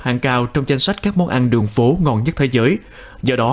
hạng cao trong danh sách các món ăn đường phố ngon nhất thế giới do đó